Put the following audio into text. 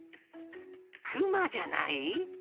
クマじゃない？